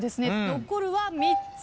残るは３つ。